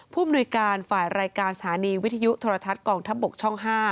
มนุยการฝ่ายรายการสถานีวิทยุโทรทัศน์กองทัพบกช่อง๕